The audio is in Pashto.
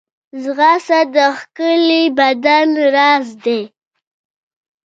ځغاسته د ښکلي بدن راز دی